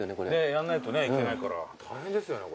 やんないといけないから大変ですよね